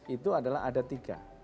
itu adalah ada tiga